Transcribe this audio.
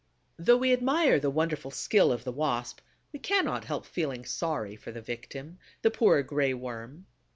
Though we admire the wonderful skill of the Wasp, we cannot help feeling sorry for the victim, the poor Gray Worm.